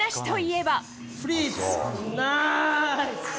ナイス！